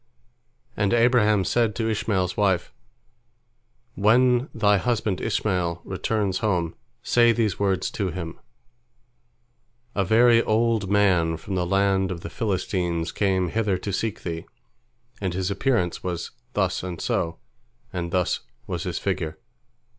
And Abraham said to Ishmael's wife, "When thy husband Ishmael returns home, say these words to him: A very old man from the land of the Philistines came hither to seek thee, and his appearance was thus and so, and thus was his figure.